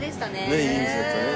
ねえいい店だったね。